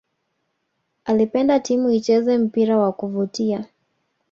alipenda timu icheze mpira wa kuvutia